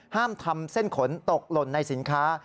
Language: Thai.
ห้ามทำเส้นขนตกหล่นในสินค้า